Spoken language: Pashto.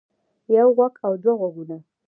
يو غوږ او دوه غوږونه